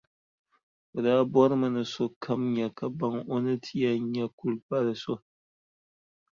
O daa bɔrimi ni sokam nya ka baŋ o ni ti yɛn nyɛ kulipalʼ so.